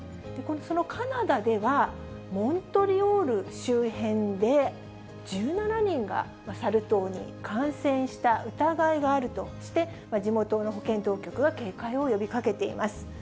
そのカナダでは、モントリオール周辺で、１７人がサル痘に感染した疑いがあるとして、地元の保健当局が警戒を呼びかけています。